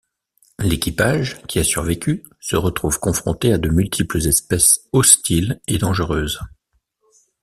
L'équipage, qui a survécu, se retrouve confronté à de multiples espèces hostiles et dangereuses.